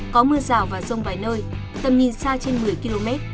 có mưa rào và rông vài nơi tầm nhìn xa trên một mươi km